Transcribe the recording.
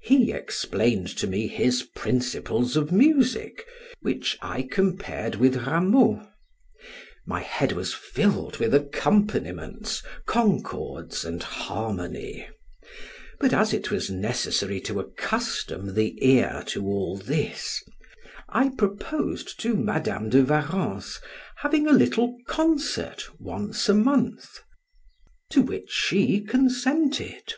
He explained to me his principles of music, which I compared with Rameau; my head was filled with accompaniments, concords and harmony, but as it was necessary to accustom the ear to all this, I proposed to Madam de Warrens having a little concert once a month, to which she consented.